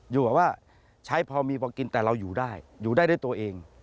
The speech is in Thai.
อยู่กับว่าใช้พอมีพอกินแต่เราอยู่ได้อยู่ได้ด้วยตัวเอง